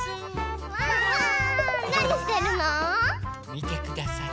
みてください。